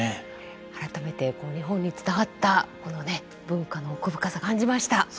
改めて日本に伝わったこのね文化の奥深さ感じました。